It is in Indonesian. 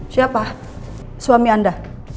siapa suami anda